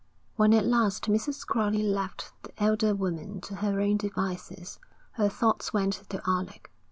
When at last Mrs. Crowley left the elder woman to her own devices, her thoughts went to Alec.